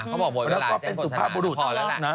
เขาบอกโหยเวลาก็เป็นสุขภาพมดุรักษามะ